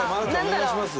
お願いします。